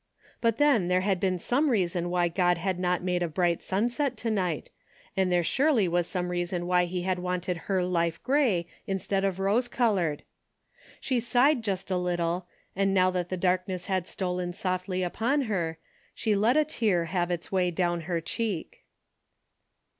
But then there had been some reason why God had not made a bright sunset to night, and there surely was some reason Avhy he had wanted her life grey instead of A DAILY RATE A 91 rose colored. She sighed just a little, and now that the darkness had stolen softly upon her, she let a tear have its way down her cheek.